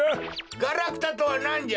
ガラクタとはなんじゃ！